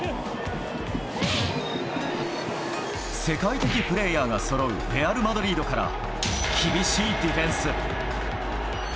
世界的プレーヤーがそろうレアル・マドリードから厳しいディフェンス。